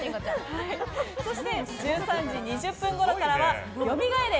そして１３時２０分ごろからは甦れ！